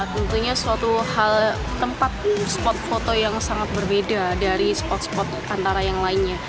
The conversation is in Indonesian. tentunya suatu hal tempat spot foto yang sangat berbeda dari spot spot antara yang lainnya